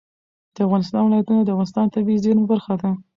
د افغانستان ولايتونه د افغانستان د طبیعي زیرمو برخه ده.